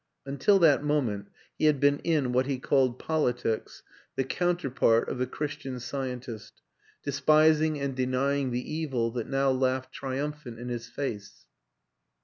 Until that moment he had been in what he called politics the counterpart of the Christian Scientist, despising and denying the evil that now laughed triumphant in his face.